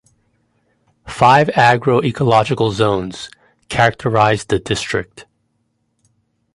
Five agro-ecological zones characterize the district.